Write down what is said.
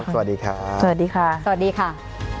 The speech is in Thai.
สวัสดีค่ะ